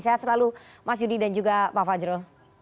sehat selalu mas yudi dan juga pak fajrul